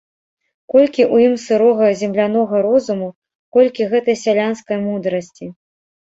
Колькі ў ім сырога землянога розуму, колькі гэтай сялянскай мудрасці.